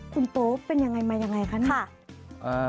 คุณโป๊ปเป็นยังไงมายังไงคะเนี่ย